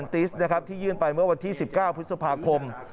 ที่ยื่นไปเมื่อวันที่๑๙พฤษภาคม